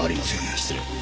失礼。